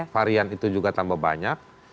varian itu juga tambah banyak